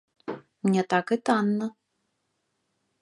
Не так і танна.